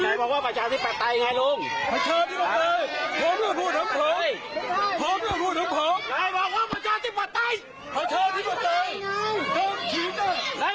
นายบอกว่าประชาที่ปล่อยประชาที่ปล่อย